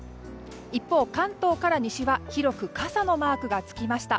一方、関東から西は広く傘のマークがつきました。